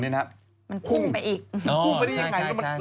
มันพุ่งไปอีก